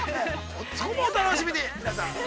◆そこもお楽しみに、皆さん。